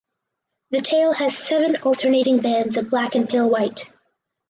The tail has seven alternating bands of black and pale white.